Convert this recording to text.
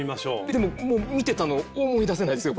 でももう見てたの思い出せないですよ